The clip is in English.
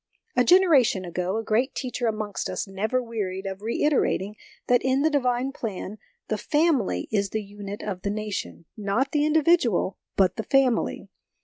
A generation ago, a great teacher amongst us never wearied of reiterating that in the Divine plan " the family is the unit of the nation ": not the individual, but the family.